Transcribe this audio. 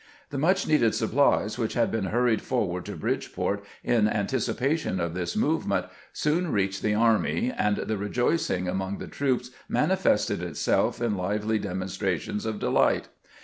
The much needed supplies, which had been hurried forward to Bridgeport in anticipation of , this movement, soon reached the army, and the rejoicing among the troops manifested itself in lively demonstrations of de light.